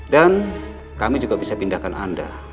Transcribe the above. dan kami juga bisa pindahkan anda